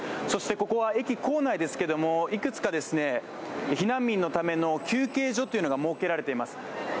そして、ここは駅構内ですけれども、いくつか避難民のための休憩所というのが設けられています。